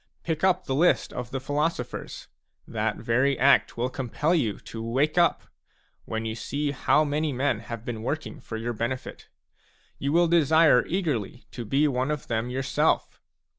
Pick up the list of the philosophers ; that very act will compel you to wake up, when you see how many men have been working for your benefit. You will desire eagerly to be one of them yourself.